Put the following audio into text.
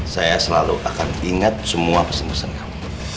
saya selalu akan ingat semua pesan pesan kamu